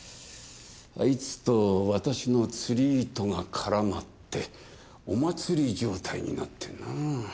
あいつと私の釣り糸が絡まってお祭り状態になってな。